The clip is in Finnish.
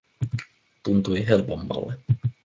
Tuntui helpommalle.